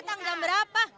datang jam berapa